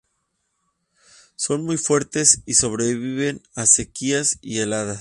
Son muy fuertes y sobreviven a sequías y heladas.